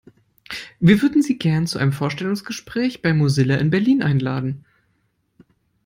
Wir würden Sie gerne zu einem Vorstellungsgespräch bei Mozilla in Berlin einladen!